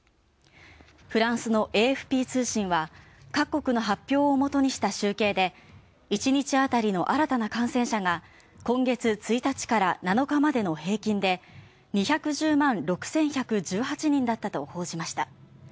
フランスのＡＦＰ通信は、各国の発表を基にした集計で１日あたりの新たな感染者が今月１日から７日までの平均で２１０万６１１８人だったと報じました。